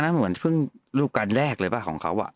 เหมือนรูปการณ์แรกเลยปะของเค้าว่ะ